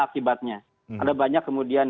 akibatnya ada banyak kemudian